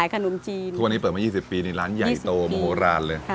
คือวันนี้เปิดมา๒๐ปีร้านใหญ่โตโมโหราณเลย